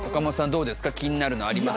どうですか気になるのあります？